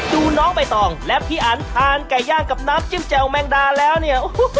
น้องใบตองและพี่อันทานไก่ย่างกับน้ำจิ้มแจ่วแมงดาแล้วเนี่ย